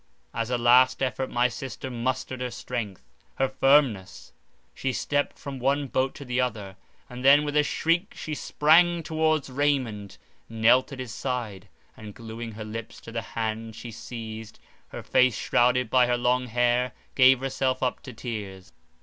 As a last effort, my sister mustered her strength, her firmness; she stepped from one boat to the other, and then with a shriek she sprang towards Raymond, knelt at his side, and glueing her lips to the hand she seized, her face shrouded by her long hair, gave herself up to tears.